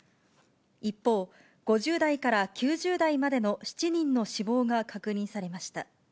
一方、５０代から９０代までの７人の死亡が確認されました。